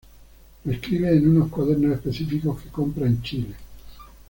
Lo escribe "en unos cuadernos específicos que compra en Chile.